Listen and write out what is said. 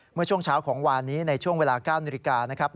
เมื่อช่วงเช้าของวานนี้ในช่วงเวลา๙นิริกา